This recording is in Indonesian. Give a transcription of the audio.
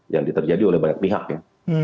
yang diterjadi oleh banyak pihak ya